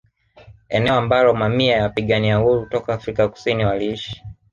Eneo ambalo mamia ya wapigania uhuru toka Afrika Kusini waliishi